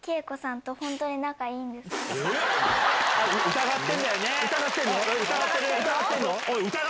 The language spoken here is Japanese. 疑ってんだよね？